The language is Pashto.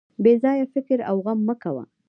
بې ځایه فکر او غم مه کوه.